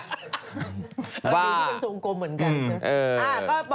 ดีที่เป็นสูงกลมเหมือนกัน